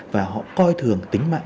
và họ coi thường tính mạng